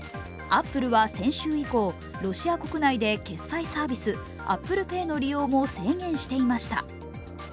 アップルは先週以降、ロシア国内で決済サービス、ＡｐｐｌｅＰａｙの利用も制限していました。